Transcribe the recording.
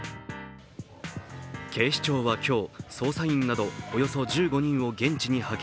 警視庁は今日、捜査員などおよそ１５人を現地に派遣。